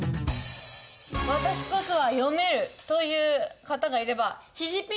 「私こそは読める」という方がいれば肘ピン